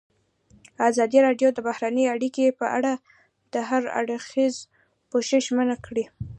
ازادي راډیو د بهرنۍ اړیکې په اړه د هر اړخیز پوښښ ژمنه کړې.